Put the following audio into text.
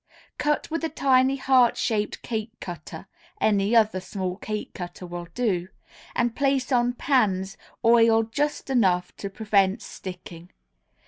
Cut with a tiny heart shaped cake cutter (any other small cake cutter will do), and place on pans oiled just enough to prevent sticking.